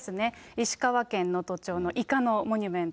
石川県能登町のイカのモニュメント。